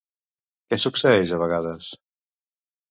Què succeeix a vegades?